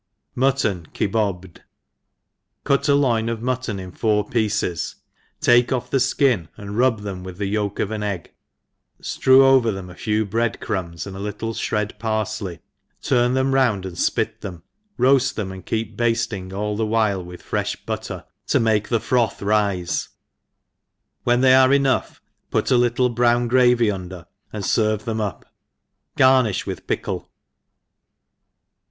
Mutton iebobed. CUT a loin of mutton in four.pleces, take ^cffthefkin, and rub them with the yolk of an <gg, ftrew over them a few breadcrumbs, ahd a little fhred parfley, turn them 'round and fpit them, roafl ^hemand keep bailing all the while With fre(h butter, to make the froth rife ; wheti they are enough, put a little brownrgravy umlert andferve them up: garniih with pickles.